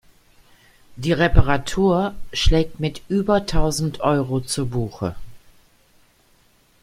Die Reparatur schlägt mit über tausend Euro zu Buche.